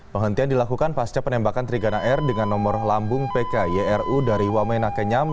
penghentian dilakukan pasca penembakan trigana air dengan nomor lambung pkyru dari wamena kenyam